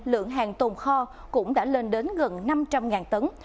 lượng hàng tồn kho cũng đã lên đến gần năm trăm linh tấn